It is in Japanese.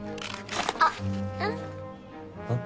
あっ。